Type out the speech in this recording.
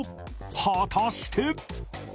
果たして？